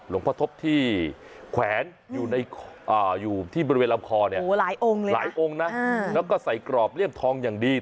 แล้วก็ใส่กรอบเล่มทองอย่างดี